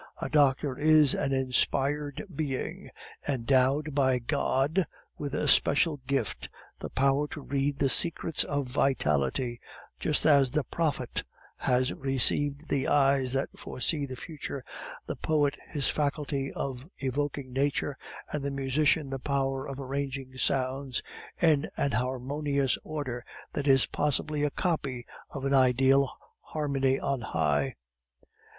A doctor is an inspired being, endowed by God with a special gift the power to read the secrets of vitality; just as the prophet has received the eyes that foresee the future, the poet his faculty of evoking nature, and the musician the power of arranging sounds in an harmonious order that is possibly a copy of an ideal harmony on high."